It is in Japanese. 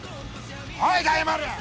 おい大丸！